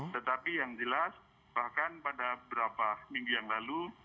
tetapi yang jelas bahkan pada beberapa minggu yang lalu